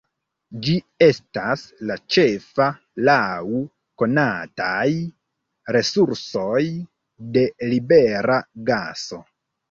Ĝi estas la ĉefa laŭ konataj resursoj de libera gaso.